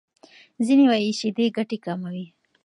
ځینې وايي شیدې ګټې کموي.